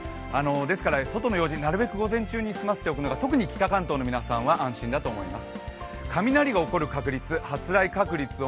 ですから外の用事なるべく午前中に済ませておくのが特に北関東の皆さんは安心だと思います。